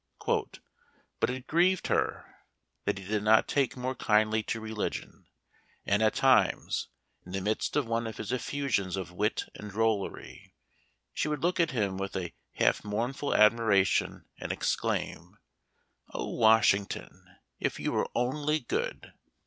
" But it grieved her that he did not take more kindly to religion ; and at times, in the midst of one of his effusions of wit and drollery, she would look at him with a half mournful admiration, and exclaim, ' O Wash ington, if you were only good